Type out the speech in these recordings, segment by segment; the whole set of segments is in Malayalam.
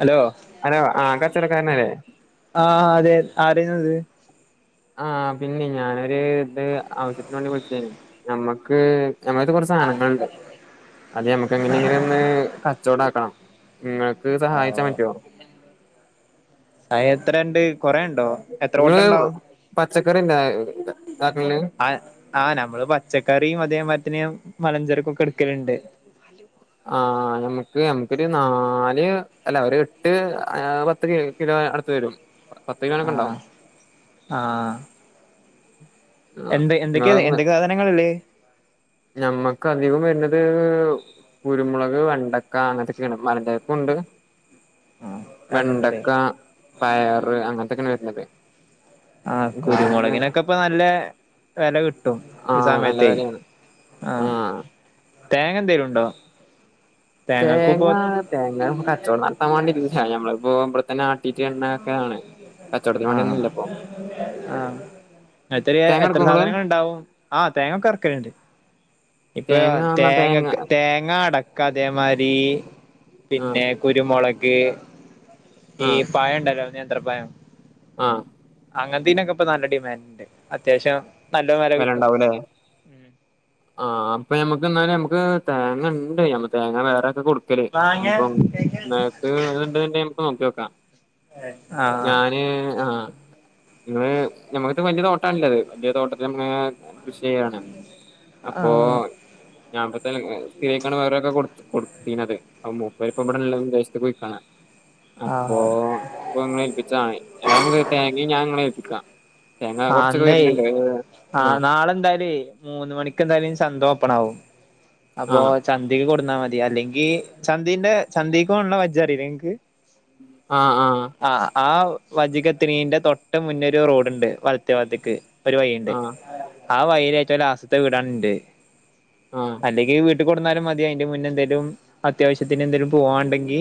ഹലോ ഹലോ ആഹ് കച്ചോടക്കാരനാണ് ആഹ് ആഹ് അതെ ആരയ്‌നുത്? ആഹ് പിന്നെ ഞാനൊരു ഇത് ആവശ്യത്തിന് വേണ്ടി വുളിച്ചെയാരുന്നു. നമ്മക്ക് ഞമ്മൾടത്ത കൊറ് സാധനങ്ങളൾണ്ട് അത് ഞമ്മക്ക് എങ്ങനെങ്ങനൊന്ന് ക ച്ചോടാക്കണം ഇങ്ങൾക്ക് സഹായിച്ച ആഹ് പറ്റോ? ആഹ് എത്രണ്ട് കൊറെ ഉണ്ടോ എത്ര കൊട്ടണ്ടാവും? പച്ചക്കറിന്നാ താക്കല്ല് ആഹ്‌ ആഹ് നമ്മള് പച്ചക്കറിയും അതേ മാര്ത്തന്നെ മലഞ്ചരക്കൊക്കെ എടുക്കലുണ്ട്. ആഹ് നമുക്ക് നമുക്കൊരു നാല് അല്ല ഒരെട്ട് പ ത്ത്കിലോ അടുത്ത് വരും. പത്തിലോനൊക്കെ ഉണ്ടോ ആഹ് എന്തെ എന്തൊക്കെയ എന്തൊക്ക സാധനങ്ങൾ ഉള്ളേ? ഞമ്മക്കധികം വരുന്നത് കുരുമുളക് വെണ്ടക്ക അങ്ങനത്തൊക്കേണ് [unintelligible] ആഹ് രണ്ടുണ്ടല്ലേ വെണ്ടക്ക പയറ് അങ്ങനത്തൊക്കേണ് വരുന്നത്. ആഹ് അവിടുന്ന് കുരുമൊളകിനൊക്കെ ഇപ്പൊ നല്ല വില കിട്ടും ഈ ആഹ് നല്ല സമയത്ത്. വിലയാണ് ആഹ് തേങ്ങന്തേലുണ്ടോ? തേങ്ങാ തേങ്ങപ്പോ കച്ചോടം നടത്താൻ വാണ്ടിട്ട് ഞമ്മളിപ്പോ ഇവിടെത്തന്നെ ആട്ടീട്ട് എണ്ണ ആക്കലാണ്. ആഹ് ആഹ് തേങ്ങ എത്ര എടുക്കോ ഇങ്ങള് സാധനങ്ങൾണ്ടാവും? ആഹ് തേങ്ങൊക്കറക്കല്ണ്ട് ഇപ്പൊഴോ തേങ്ങ എന്നാ തേങ്ങ തേങ്ങക്ക് തേങ്ങ അട കതേമാരി ആഹ് പിന്നെ കുരുമുളക് ഈ ആഹ് പഴണ്ടല്ലോ നേന്ത്രപഴം. ആഹ് അങ്ങൻത്തീനൊക്കെ ഇപ്പൊ നല്ല ഡിമാൻഡ് ഇണ്ട്. അത്യാവശ്യം നല്ല വില കിട്ടും വിലണ്ടാവൂല്ലെ? ആഹ് അപ്പൊ നമ്മുക്ക് ന്നാലു നമുക്ക് തേങ്ങ ഉണ്ട് നമ്മ തേങ്ങ വേറാക്ക് കൊടു ക്കല് മാങ്ങ ഇഞ്ഞ്പ്പം നേ അ് അണ്ട്ണ്ടെങ്കി നമ്മക്ക് നോക്യോക്ക ആഹ് ഞാന് ആഹ് ഇങ്ങൾ ഞമ്മക്കത്ത് വല്ല്യ തോട്ടാല്ലെത് വല്ല്യ തോട്ടത്തിമ്മൾങ്ങനെ കൃഷി ചെയ്യാണ് അപ്പോ ആഹ് ഞാൻ പത്തെ സ്ഥിരയ്ക്കാണ്ട് വേറൊരാക്ക കൊടുത്ത് കൊടുത്തീനത് അപ മൂപരിപ്പടല്ല വിദേശത്ത് പോയിക്കാണ്. അപ്പൊ ആഹ് ഇപ്പൊങ്ങളെ ഏൽപ്പിച്ചാആതി ഏതാലും തേങ്ങിം ഞാൻ ഇങ്ങളെ ഏൽപ്പിക്കാ. തേങ്ങാ കൊറ്ച്ചൊക്കെ അന്നേ വരുനുണ്ട് അ്. ആഹ് നാളെന്തായാലോ മൂന്ന് മണി കെന്തായാലു ചന്ത ഓപ്പണാവും. അപ്പൊ ആഹ് ചന്തീക്ക് കൊടുന്നാമതി അല്ലെങ്കി ചന്തിൻ്റെ ചന്തീക്കുള്ള വജ്ജറീലെ ഇങ്ങക്ക്? ആഹ് ആഹ് ആഹ് ആ വജ്ജിക്കെത്തിണീന്റെ തൊട്ട് മുന്നൊരു റോഡുണ്ട് വലത്തേവാത്ത്ക്ക്. ഒരു വഴിണ്ട് ആഹ് ആ വഴയിലെ ഏറ്റം ലാസ്റ്റ്ത്തെ വീടാണ് ൻ്റെ. ആഹ് അല്ലെങ്കിൽ വീട്ടിൽ കൊടുന്നാലും മതി അതിന്റെ മുന്നെ എന്തങ്കലും അത്യാവശ്യത്തിന് എന്തേലും പോവാുണ്ടെങ്ക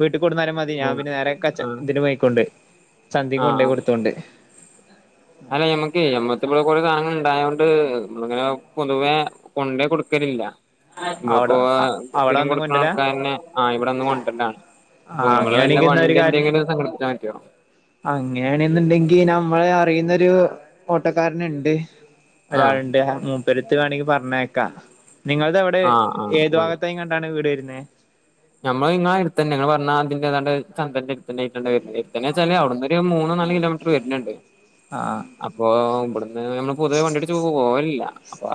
വീട്ടിൽ കൊടുന്നാലും മതി ഞാൻ ആഹ് പിന്നെ നേരെ ആഹ് ഇതി മയിക്കൊണ്ട് സന്്യയും കൊണ്ട ആഹ് പോോയി ആഹ് കൊടുത്തൊണ്ട് അല്ല മ്മക്ക്ഞമ്മത്തി ഇവിടെ കൊറെ സാധങ്ങൾ ഇണ്ടായ കൊണ്ട് നമ്മള ഇങ്ങനെ പൊതുവേ കൊണ്ടേ കൊടുക്കലില്ല അവിടെ ഇപ്പോ അവിടെ സ്ഥിരം വന്ന് കൊടുക്കണ കൊണ്ടരാ ആൾക്കാരന്നെ ആ ഇവിടെന്ന് കൊണ്ടണ്ടാണ് ആ അപ്പൊങ്ങള്ൾ വല്ല അങ്ങനെയാണെങ്കി എന്നാ ഒരു വണ്ടി കാര്യം എന്തെങ്കിലും സംഘടിപ്പിച്ചാൻ പറ്റുമോ? അങ്ങനെയാണെന്നുണ്ടെങ്കി നമ്മളെ അറിയുന്നൊരു ഓട്ടക്കാരനുണ്ട് ആഹ് ഒരാളുണ്ട് മൂപ്പരുത്ത് വേണമെങ്കിൽ പറഞ്ഞേക്കാം നിങ്ങ എവി ടെ ആഹ് ആഹ് ഏതു ഭാഗത്തായും കണ്ടാണ് വീട് വരുന്നത് മ്മള് നിങ്ങളെ അടുത്തന്നെ നിങ്ങള് പറഞ്ഞാ അതിന്റെഏതാണ്ട് ചന്ദ്രന്റെ വ വെച്ചാല് അവിടുന്ന് ഒരു മൂന്ന നാല് കിലോമീറ്റർ വരുന്നുണ്ട് ആഹ് അപ്പൊ ഇവിടുന്ന് നമ്മള് പൊതുവെ വണ്ടിട്ട പോവില്ല അപ്പൊ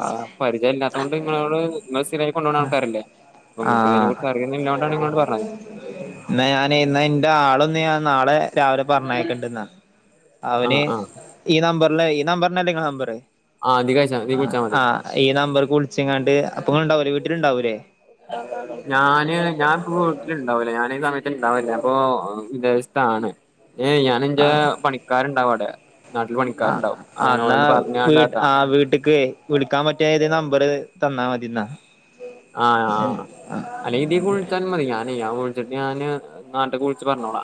പരിചയമല്ലാത്തൊണ്ട് നിങ്ങളോട് നി സ്ഥിരമായിക്ക കൊണ്ട പോക ആൾക്കാരല്ല അ നമക്ക്തിനെ ഇല്ലണ്ടാണ്ങ്ങോണ്ട് പറഞ്ഞത് എന്ന ഞാൻ ഇ എന്റെ ആളൊന്ന് ഞാൻ നാളെ രാവിലെ പറഞ്ഞക്കണ്ടന്നാ അവന് ആഹ് ആഹ് ഈ നമ്പറില് ഈ നമ്പറിനല്ലേ നിങ്ങള നമ്പർ ആഹ നിഖാച്ചാ നിികൂച്ചാ മതി ഈ നമ്പർക്ക് വിളിച്ച എങ്ങാണ്ട് അപ്പൊ ഇങ്ങ ഉണ്ടാവലേ വീട്ടില ഇണ്ടാവൂലേ ഞാന് ഞാൻ വീട്ടിലുണ്ടാവലേ ഞാന ഈ സമയത്ത് ഇണ്ടാവലേ അപ്പൊ വിത്ദേതാണ് ഏയ് ഞാാന എൻ്റെ ആഹ് പണിക്കാരുണ്ടാവും അടെ ആ എന്നാ വീ പറഞ്ഞാണ്ടാക്കാം ആ വീട്ടക്ക് വിളിക്കാൻ പറ്റിയ ഏത് നമ്പർ തന്നാ മതിന്നാ ആഹ് അല്ലെങ്ക ഇതി വിളിച്ചാലും മതി ഞാന്യാ വിളിച്ച് ഞാാന് നാട്ടെ വിളിച്ചു പറഞ്ഞോളാ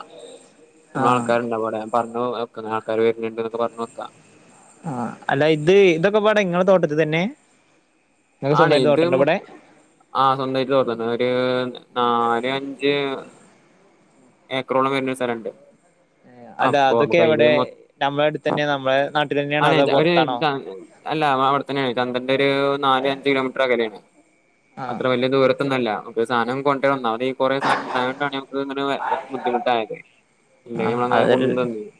ആ നമ്മള ആൾക്കാരുണ്ട് അവിടെ പറഞ്ക്ക ആൾക്കാര് വരുന്നുണ്ട്ൊക്ക പറഞ്ഞു നോക്കാം ആ അല്ല ഇത് ഇതൊക്കെ പാടാ നിങ്ങള തോട്ടത്തി തന്നെ നിങ്ങക്ക് ആണ് സ്വന്തമായിട്ട് ഇത് തോട്ടണ്ടോ ഇവിടെ ആ സ്വന്തംമായി തോന്നന്ന് ഒരു നാല് അഞ്ച് ഏറോളം വരുന്ന സ്ഥലുണ്ട്. അല്ല അപ്പൊ അതൊക്കെ നുക്ക് എവിടെ അ മ നമ്മളെ അടുത്ത് തന്നെയാ നമ്മളെ നാട്ടിൽ ആ തന്നെയാണോ അതോ ഒരു പുറത്താണോ അല്ല അവിടെത്തന്നെയാണ് ചന്ദൻന്റെ ഒരു നാല് അഞ്ച് കിലോമീറ്റർ അകലയാണ് ആ അത്ര വലിയ ദൂര തോന്നുല്ല സാധനം കൊണ്ടന്ന ഈ കുറെേ സാധനം ഉണ്ടായ കൊണ്ടാണ്ക്ക്നെ ബുദ്ധിമുട്ടായത് ഇല്ലെങ്കി ആഹ് നമ്മളങ്ങനെ അത കൊണ്ടന്നന്നീന്നു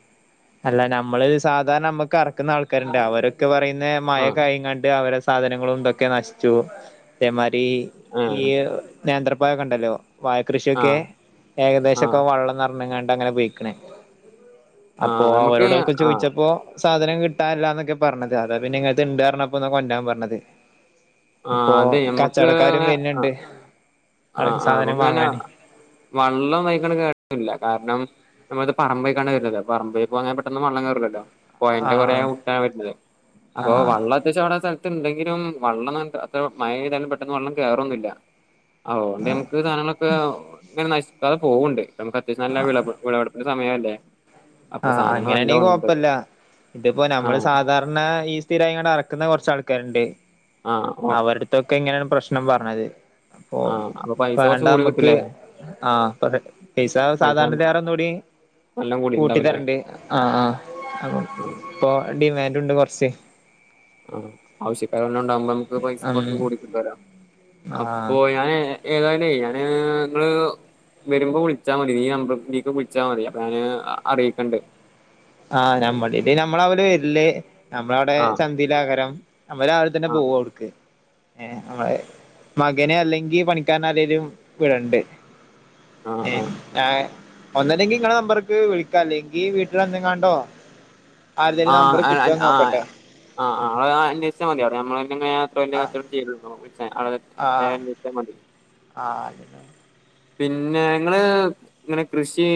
അല്ല നമ്മള് സാധാരണ നമ്മക്ക് ഇറക്കുന്ന ആൾക്ക കാർ ഇണ്ട് അവരൊക്കെ പറയുന്ന മഴ ആഹ് കായം കണ്ട് അവര സാധനങ്ങളും ഇതൊക്കെ നശിച്ചു അതേമാതിരി ഈ ഏഹ് നേന്ത്രപ്പായൊക്കെ ഉണ്ടല്ലോ വായക്കൃഷിയൊക്കെ ആഹ് ആഹ് ഏകദേശൊക്കെ വെള്ളംന്ന്റഞ്ഞങ്ങണ്ട് അങ്ങനെ ഉപയിക്കണേ അപ്പൊ ആഹ് നമുക്ക് അവരോടൊക്കെ ആഹ് ചോദിച്ചപ്പോ സാധനം കിട്ടാനില്ലാ എന്നൊക്കെ പറഞ്ഞത് അതാ പിന്നെ ഇങ്ങനത്തെ ഇണ്ട് പറഞ്ഞപ്പോ എന്ന കൊണ്ടാൻ പറഞ്ഞത് ആഹ് ഇപ്പോ അതെ ഞമ്മക്ക് കച്ചവടക്കാരും വര്ണ്ട് ആഹ് ആൾക്ക് സാധനം വാങ്ങാന് വെള്ളം വഴക്കണം കേട്ടില്ല കാരണം നമ്മളത് പറമ്പൊക്കാണ് വരുന്നത് പറമ്പ പോ പെട്ടെന്ന് വള്ളം കയറില്ലല്ലോ ആ പോയന്റ് കൊറ കുട്ടാൻ പറ്റുന്നത് അപ്പൊ ആ വള്ള ത്ദേശം അവിടെ സ്ഥലുണ്ടെങ്കിലും വെള്ളം അത്ര മഴ്താലും പെട്ടെന്ന് വെള്ളം കയറൊന്നുമില്ല അഓണ്ട് നമുക്ക് സാധനങ്ങളൊക്കെ ഇങ്ങനെ നശിക്കാതെ പോകണ്ട് നമുക്ക് അത്യാവശ്യം നല്ല വെള ഒരു സമയം അല്ലേ ആഹ് അങ്ങനെയാണെങ്കി കൊഴപ്പല്ല ഇതിപ്പോ നമ്മള് ആഹ് സാധാരണ പറ ഈ സ്ഥിരമായിങ്ങ ഇറക്കുന്ന കൊറച്ച ആൾക്കാരുണ്ട് ആഹ് അവ ൊക്കെ ഇങ്ങനെയാണ് പ്രശ്നം പറഞ്ഞത് അപ്പൊ ആഹ് അപ്പൊ പൈസ കൊറച്ച് വേണ്ടാ കൂടി നമ്മക്ക് കിട്ടൂലേ ആഹ് അ പൈസ സാധാരണേറെന്നൂടി നല്ലോം കൂടിണ്ടാവൂലേ കൂട്ടിത്തരണ്ടേ ആ ആ അ ഇപ്പോ ഡിമാൻഡും ഉണ്ട് കുറച്ച് ആഹ് ആവശ്യക്കാരല്ലാം ഉണ്ടാവുമ്പോ നമുക്ക് പൈസയും ഉം കുറച്ച് കൂടി കിട്ടല്ലോ ആഹ് അപ്പൊ ഞാൻ ഏതായാലും ഞാന് ഇങ്ങള് വരുമ്പോ വിളിച്ചാൽ മതി നീ നമ്പർ നീക്ക് വിളിച്ചാൽ മതി അപ്പ ഞാന് അറിയിക്കണ്ട് ആഹ് നമ്മളീൽ ഇത് നമ്മളെ അവല് വരൽ നമ്മളവിടെ ആഹ് ചന്തീലാക്കാരം ഞമ്മൾ രാവിലെ തന്നെ ആഹ് പോവും അവുടുക്ക് ഏഹ് നമ്മളെ മകനെ അല്ലെങ്കി പണിക്കാരെ ആരെങ്കിലും വിടണ്ട് ആഹ് ഒന്നല്ലെങ്കിൽ ഇങ്ങളെ നമ്പർക്ക് വിളിക്കാം അല്ലെങ്കിൽ വീട്ടിൽവെന്ന് കാ ണ്ടോ ആർതേലും ആഹ് നമ്പർ കിട്ടോന്ന് ആഹ് നോക്കട്ടെ ആഹ് ആ അ അന്വേഷിച്ചാ മതി അവ്ടെ അമ്മൾങ്ങനെ അത്തോളി ന്റെ ആഹ് കച്ചോടം ചെയ് ആഹ് [unintelligible] അ മതി ആഹ് [inaudible] പിന്നെ ങ്ങള് ഇങ്ങനെ കൃഷി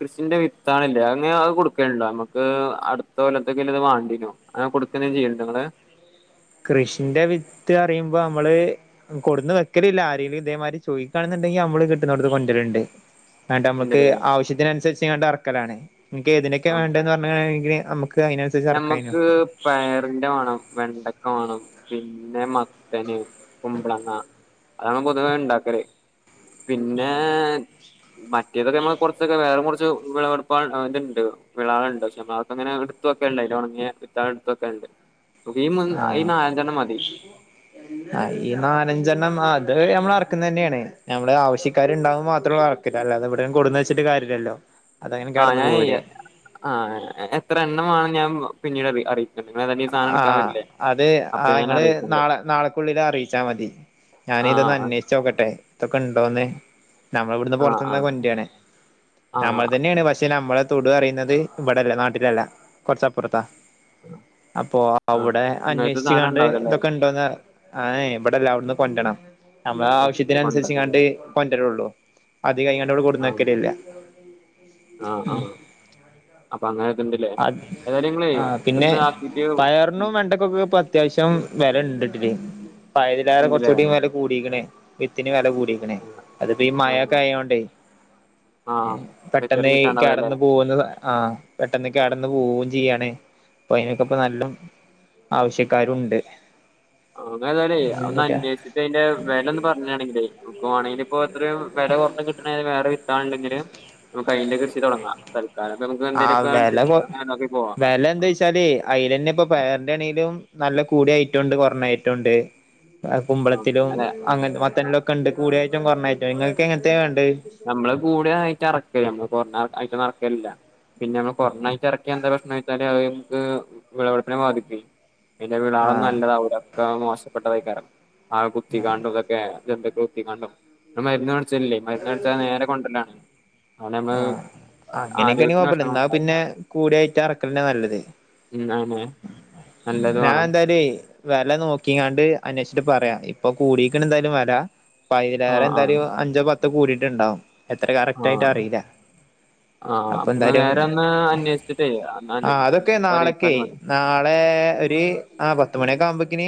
കൃഷിന്റെ വിത്താള്ല്ലേ അങ്ങനെ അത് കൊടുക്കലുണ്ടോ നമുക്ക് അടുത്ത കൊലത്തക്ക് ഇല്ലത് വാണ്ടീനു അഹ് കൊടുക്കലും ചെയ്യലിണ്ടോ ങ്ങള് കൃഷിന്റെ വിത്ത് അറിയുമ്പോ നമ്മള് കൊടുന്ന് വെക്കലില്ല ആരേങ്കിലും ഇതേമാതിരി ചോദിക്കാണെന്നുണ്ടെങ്കിൽ നമ്മള് കിട്ടുന്നടത്ത്ന്ന് കൊണ്ടൽണ്ട് ന്നട്ട് നമ്മുക്ക് ഉണ്ടല്ലേ ആവശ്യത്തിനനുസരിച്ച് ങ്ങണ്ട് അറക്കലാണ് നിക്ക് ഏതിനൊക്കെ വേണ്ട ആഹ് എന്ന് പറഞ്ഞെങ്കിൽ നമുക്ക് അതിന ഞമ്മക്ക് പയറിന്റെ വാണം വെണ്ടക്ക വാണം പിന്നെ മത്തന് കുമ്പളങ്ങ അതാണ് പൊതുവേ ഇണ്ടാക്കൽ പിന്നെ മറ്റേതൊക്കെ നമ്മൾ കുറച്ചൊക്കെ വേറെ കുറച്ച് വിളവെടുപ്പണ്ട് വിളണ്ട് പക്ഷെ ഞമ്മൾ അങ്ങനെ ത്ത് വെക്കൽണ്ട് ഇത് ഉണങ്ങിയ വിത്താൾ ഇടുത്ത് വെക്കൽണ്ട് ഈ ഈ ആഹ് നാലഞ്ചണ്ണം മതി ഈ നാലഞ്ചെണ്ണം അത് നമ്മൾ ഇറക്കുന്ന തന്നെയാണ് ഞമ്മള് ആവശ്യക്കാർ ഉണ്ടാകുമ്പോ മാത്രറക്ക് അല്ലാതെ ഇവിടെ കൊടുന്ന് വച്ചിട്ട് കാര്യംല്ലല്ലോ ആഹ് ഞാൻ ചെയ്യാ ആ എത്ര എണ്ണമാണം ഞാൻ പിന്നീട് അറിയി ആഹ് അത് അപ്പൊ ആഹ് ഞാൻ നിങ്ങള് അറിയിക്കണ്ട് നാളെ നാളക്കുള്ളില് അറിയിച്ചാ മതി ഞാനിതൊന്ന് ആഹ് അന്വേഷിച്ച് നോക്കട്ടെ തോക്കെ ഉണ്ടോന്ന് നമ്മൾ ഇവിടുന്ന് ആഹ് പുറത്തുന്ന് ആഹ് കൊണ്ടയാണ് നമ്മൾ ആഹ് തന്നെയാണ് പക്ഷെ നമ്മളെ തൊടു അറിയുന്നത് ഇവിടെല്ലേ നാട്ടിലല്ല കുറച്ചപ്പുറത്താ ആഹ് അപ്പൊ അവിടെ ഇങ്ങനത്തെ സാധനം അന്വേഷിച്ച്ക്കാണ്ട് ഉണ്ടാവൂലല്ലേ ഇതൊക്കെ ഉണ്ടോന്ന് ഏഹ് ഇവിടെല്ല അവിടന്ന് കൊണ്ടണം നമ്മളെ ആഹ് കൊണ്ടരണില്ലേ ആവശ്യത്തിനനുസരിച്ച്ങ്ങാണ്ട് കൊണ്ടേരുള്ളു അത് കഴിഞ്ഞാണ്ട് ഇവിടെ കൊടുന്ന് ആഹ് വെക്കൽല്ല ആഹ് ആഹ് അപ്പൊ അങ്ങനെഒക്കെണ്ടല്ലേ അത് ഏതായാലും നിങ്ങളെ ആ പിന്നെ ഇന്ന് പയറിനും വെണ്ടക്കൊക്കെ ഇപ്പൊ അത്യാവശ്യം വില ഉണ്ടിട്ടില്ലേ പയതിലേറെ ഉണ്ടല്ലേ കുറച്ചുകൂടി വില കൂടിക്ക്ണ് വിത്തിന് വില കൂടിക്ക്ണ് അതിപ്പോ ഈ ആ മഴക്കെ ആയോണ്ടേ ആ പെട്ടെന്ന് റിപ്പയറിങ് ഈ കിട്ടാണ്ടാവും അല്ലേ കേടന്ന് പോകുന്ന ആഹ് പെട്ടെന്ന ക്കെടെന്ന് പോവും ചെയ്യാണ് ഇപ്പോ നല്ലൊആവശ്യക്കാരുംണ്ട് ഇങ്ങൾ ഏതായാലേ ഒന്ന് അന്വേഷിച്ചിട്ട് അതിന്റെ വെല ഒന്ന് പറഞ്ഞാണെങ്കില്ലേ ഞങ്ങക്ക് വാണെങ്കിൽ ഇപ്പൊ എത്രയും വെല കുറഞ്ഞ് കിട്ട്ണേ വേറെ വിത്താൾണ്ടെങ്കിൽ നമുക്ക് അയിന്റെ കൃഷി തൊടങ്ങാം തൽക്കാലംപ്പോ നമക്ക് ആഹ് എന്തേലുമൊക്കെ വെല കൊ ആഡ്നോക്കി പോവാ വെല എന്താച്ചാല് അയിലന്നെ ഇപ്പൊ പയറിന്റെ ആണെങ്കിലും നല്ല കൂടിയ ഐറ്റംണ്ട് കൊറഞ്ഞ ഐറ്റുണ്ട് ആ കുമ്പളത്തിലും അല്ലെ അങ്ങന ആ മത്തനിലും ഒക്കെ ഉണ്ട് കൂടിയായിട്ടും കുറഞ്ഞായിട്ടും നിങ്ങൾക്ക് എങ്ങനത്തെയാ വേണ്ടയെ നമ്മള് കൂടിയ ഐറ്റാ എറക്കൽ നമ്മള് കൊറഞ്ഞാ ഐറ്റൊന്നും എറക്കലില്ല പിന്നെ നമ്മള് കൊറഞ്ഞ ഐറ്റം ഇറക്കിയാ എന്താ പ്രശ്നം വെച്ചാല് അത് നമുക്ക് വിളവെടുപ്പിനെ ബാധിക്കൊയെ പിന്നെ വിളാളും ആഹ് നല്ലതാവൂല ഒക്കെ മോശപ്പെട്ടതായിക്കാരം ആ ആഹ് കുത്തിക്കാണ്ടും ഇതൊക്കെ ജന്തുക്കൾ കുത്തികാണ്ടും മരുന്ന്ടിച്ചല് ഇല്ലയ് മരുന്ന് അടിച്ചാതെ നേരെ കൊണ്ടരല്ലാണ് അ അങ്ങനെക്കേണി ആരോഗ്യത്തിന് കൊഴപ്പല്ല ന്നാ പ്രശ്നങ്ങളൊന്നും ഉണ്ടാവില്ല പിന്നെ കൂടിയ ഐറ്റം അറക്കൽനെ നല്ലത് ഉം അയിനെ നല്ലത് വേണം ഞാന്തായാലേയ് വെല നോക്കിങ്ങാണ്ട് അന്വേഷ്ച്ച്ട്ട് പറയാം ഇപ്പൊ കൂടീക്ക്‌ണന്തായാലും വെല ഇപ്പയിലേറെ ആഹ് ആഹ് ന്തായാലും അഞ്ചോ പത്തോ കൂടിയിട്ടുണ്ടാവും എത്ര ആഹ് കറക്റ്റായിട്ട് അറീല ആഹ് അപ്പൊ നേരഒന്ന് അന്വേഷിച്ചിട്ടയ് റീക്ക്‌ ജയ് നാളെ ഒരു അ പത്തുമണിയൊക്കെ ആവുമ്പോക്കിന്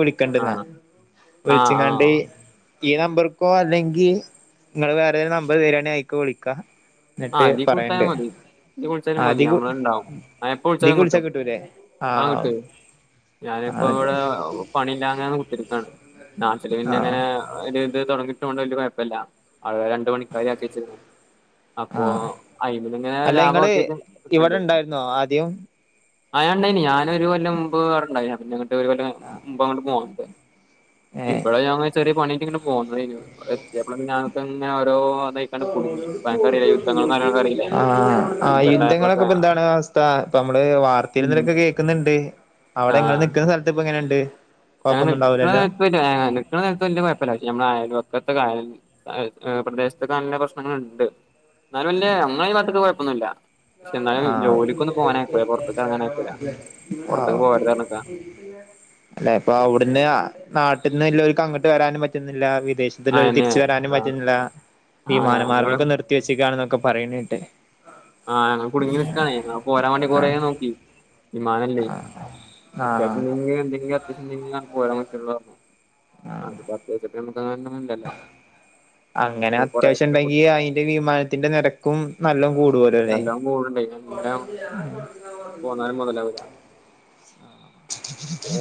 വിളിക് ക്കണ്ട്‌ന്നാ ആഹ് ആഹ് വിളിച്ച്ങ്ങാണ്ട്‌ ആഹ് ഈ നമ്പർക്കോ അല്ലെങ്കി ങ്ങള് വേറെതേലും നമ്പർ തെരാനങ്ങി അയ്ക്കൊ വിളിക്കാ ആ ന്നട്ട് ഇതിക്ക് പറയണ്ട് വിളിച്ചാലും മതി ഇതിക്ക് വിളിച്ചാലും മതി ആദിക് ഞമ്മളുണ്ടാവും ആ എപ്പ തീക്ക് വിളിച്ചാലും വിളിച്ച കിട്ടും കിട്ടൂലെ ആഹ് ഞാനിപ്പ ഇവടെ പണിയില്ലാതെങ്ങനെ കുത്തിരിക്കാണ് നാട്ടില് ആ പിന്നെ ങ്ങനെ ഒര് ഇത് തൊടങ്ങിട്ടൊണ്ട് വലിയ കൊഴപ്പമല്ല അവടെ രണ്ട്‌ പണിക്കാരെ ആക്കിവച്ചിരുന്നു ആ അപ്പൊ അയ്മെൽ ങ്ങനെ അല്ല ലാഭം ഇങ്ങള് അത്യയവിഷിയം ഇവിടെ കിട്ട്ണ്ട്‌ ഇണ്ടായിരുന്നോ ആദ്യം ആഹ് ണ്ടായിന് ഞാനൊരു കൊല്ലം മുമ്പ് അവണ്ടയിൻ [unintelligible] മുമ്പ് അങ്ങട് പോന്നിലെ ഏ ഇബടെ ഞ ചെറിയ പണിയായിട്ട് പോന്നതെയ്നു വടെ എത്തിയപ്പള പിന്നെ ങ്ങനെഓരൊ അതായിക്കണ് കുടുങ്ങി അനക്കറിയില്ലേ യുദ്ധങ്ങളും കാര്യങ്ങളൊക്കെ അറിയില്ലേ ആഹ് ആഹ് യുദ്ധങ്ങളൊക്കെ യുദ്ധണ്ടായപ്പളൊക്കെ പ്പന്താണ് അവസ്ഥ ഇപ്പ നമ്മള് വാർതേലും ഇതിലൊകേക് ക്കു ന്നു ണ്ട് ആ അവടെങ്ങള്നിക്ക്ന സ്ഥലത്ത് ഇപ്പ ങ്ങനെണ്ട് കൊഴപ്പൊന്നണ്ടാവൂലല്ലോ നിക്ക്‌ണ സല്ത് വല്ലെ കൊഴപ്പല്ല പഷേ മളെ ആയാല്പക്കത്തെ [unintelligible] പ്രദേശത്തക്കെ നല്ല പ്രശ്നങ്ങള്ണ്ട് എന്നാലും വലിയ അമ്മളെ ഈ ഭാഗത്ത്ക്ക് കൊഴപ്പൊന്നുല്ല ആ ഔ ഇറങ്ങാനയക്കൂല പുറത്ത്ക്ക് പോകരുത് പറഞ്ഞ്ക്കാ അല്ലപ്പവ്ട്ന്ന് നാട്ട്ന്ന് ലൊർക്ക് അങ്ങട്ട് വരാനും പറ്റുന്നില്ല വിദേശ ഇതിലരു അയന്നെ തിരിച്ചുരാനും ആഹ് പറ്റുന്നില്ല ആഹ് ഞങ്ങള് വിമാനമാർഗക്കെ നിർത്തിവെച്ചക്കാണ്ന്നൊക്കെ പറീനെട്ട് ആ ഹ് ഞങ്ങൾ കുടുങ്ങി നിക്കണേയ് അപ്പൊ പൊരാവാണ്ടി കൊറെ ആഹ് നോക്കി വിമാനല്ലേയ് ആഹ് ആഹ് അത്യാവശ്യം എന്ത എന്തെങ്കിലും അത്യാവശ്യം ണ്ടെങ്കില പോരാൻ പറ്റള്ളൂ പറഞ്ഞ് ആഹ് [unintelligible] അങ്ങനെ കൊറേ അത്യാവശ്യം പേര് ണ്ടെങ്കി കുടുങ്ങി അയ്ന്റെ വിമാനത്തിന്റെ നെരക്കും നല്ലംകൂടു നല്ലം കൂടുണ്ടയിനു ല്ലം പോന്നാലും മൊതലാവുല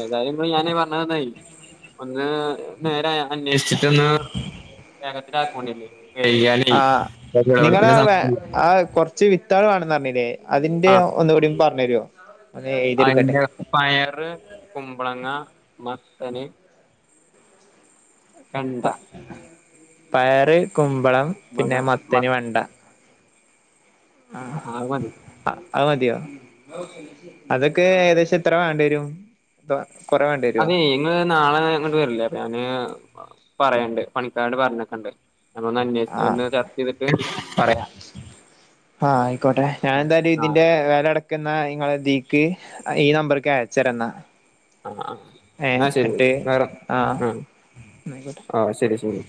ഏതായാലും ഞാന് പറഞ്ഞതന്നൊയ് ഒന്ന് നേരെ അന്വേഷിച്ചിട്ടൊന്ന് നിങ്ങള [unintelligible] ആഹ് കൊറച്ച് വിത്താള് വാണെന്നറിഞ്ഞിനി അതിന്റെ ഒന്നുകൂടിം പറഞ്ഞെരൊ അതിന്റെ പയറ് കുമ്പളങ്ങ മത്തന് വെണ്ട പയറ് കുമ്പളം പിന്നെ കുമ്പളങ്ങ മത്തൻ മ വെണ്ട അഹ് മതി അഹ് മതിയോ അതൊക്കെ ഏകദേശം എത്ര വാണ്ടിരും എത കൊറെ വേണ്ടിയവരൊ ഇങ്ങൾ നാളെ ങ്ങട്ട് വരിലെ അപ്പൊ ഞാന് പറയണ്ട് പണിക്കാരോട് പറഞ്ഞക്കണ്ട് അപ്പൊ ന്ന് അന്യഷിച്ച് ആഹ് ന്ന് ചർച്ചയിതിട്ട് പറയാം ആഹ് അയ്ക്കോട്ടെ ഞാന്തായാലും ആഹ് ഇതിന്റെ വെലട് ക്ക്ന്നാ ഇങ്ങളെതീക്ക് അയ് ഈ നമ്പർക്ക് അയച്ചരന്ന. ആഹ് ആഹ് ഏ എന്നാ ശരി എട്ട് വേറെ ആഹ് ന്നയ്കോട്ടെ. ആഹ് ശരി ശരി.